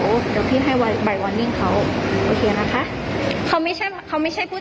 พี่เป็นผู้จัดการค่ะน้องค่ะ